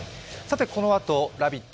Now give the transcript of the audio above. このあと「ラヴィット！」